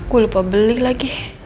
gue lupa beli lagi